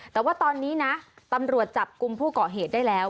แต่ว่าตอนนี้นะตำรวจจับกลุ่มผู้เกาะเหตุได้แล้ว